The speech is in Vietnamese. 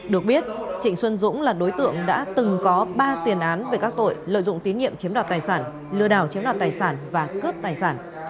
được biết trịnh xuân dũng là đối tượng đã từng có ba tiền án về các tội lợi dụng tín nhiệm chiếm đoạt tài sản lừa đảo chiếm đoạt tài sản và cướp tài sản